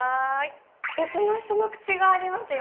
別の人の口がありますよ。